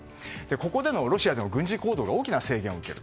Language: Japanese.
ここでのロシアでの軍事行動が大きな制限を受ける。